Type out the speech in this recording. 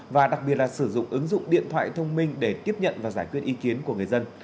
và đặc biệt là sử dụng ứng dụng điện thoại thông minh để tiếp nhận và giải quyết ý kiến của người dân